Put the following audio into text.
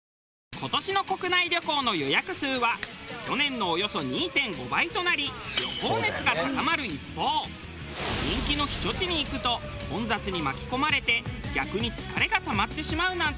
今年の国内旅行の予約数は去年のおよそ２．５倍となり旅行熱が高まる一方人気の避暑地に行くと混雑に巻き込まれて逆に疲れがたまってしまうなんて事も。